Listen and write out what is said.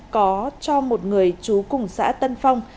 có cho một người trú cùng xã tân phong